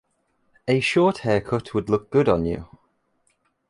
A short haircut would look good on you.